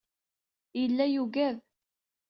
Yella yugad.